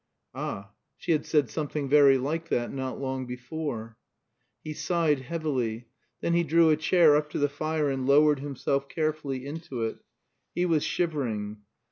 Ah, she had said something very like that not long before. He sighed heavily. Then he drew a chair up to the fire and lowered himself carefully into it. He was shivering.